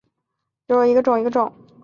丝叶紫堇为罂粟科紫堇属下的一个种。